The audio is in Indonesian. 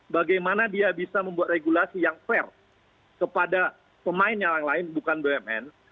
bagaimana dia bisa membuat regulasi yang fair kepada pemain yang lain bukan bumn